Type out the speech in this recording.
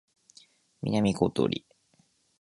南ことり